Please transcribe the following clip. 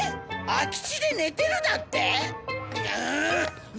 空き地で寝てるだって？